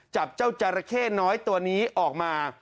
จับเจ้าจราเข้น้อยตัวนี้ออกมา